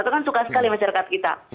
itu kan suka sekali masyarakat kita